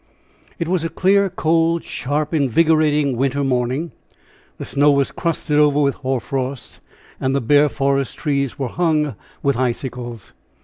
It was a clear, cold, sharp, invigorating winter morning. The snow was crusted over with hoar frost, and the bare forest trees were hung with icicles.